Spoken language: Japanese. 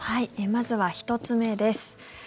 まずは１つ目です。